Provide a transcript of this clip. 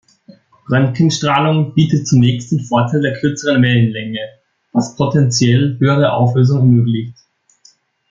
Röntgenstrahlung bietet zunächst den Vorteil der kürzeren Wellenlänge, was potenziell höhere Auflösung ermöglicht.